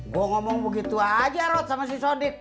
gue ngomong begitu aja rod sama si sodik